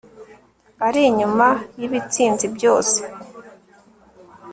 ari inyuma yibitsinzi byose